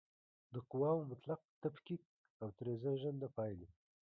د قواوو مطلق تفکیک او ترې زېږنده پایلې